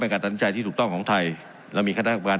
เป็นการตัดใจที่ถูกต้องของไทยแล้วมีค่าประกอบการ